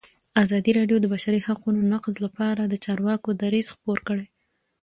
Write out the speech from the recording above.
ازادي راډیو د د بشري حقونو نقض لپاره د چارواکو دریځ خپور کړی.